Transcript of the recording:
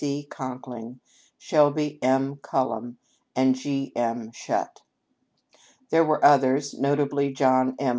C. Conkling, Shelby M. Cullom, and G. M. Shutt. There were others, notably John M.